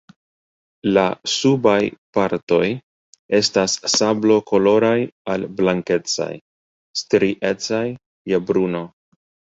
La subaj partoj estas sablokoloraj al blankecaj, striecaj je bruno.